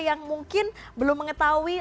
yang mungkin belum mengetahui